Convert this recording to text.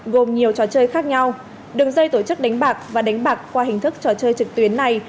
gồm nhiều trò chơi khác nhau đường dây tổ chức đánh bạc và đánh bạc qua hình thức trò chơi trực tuyến này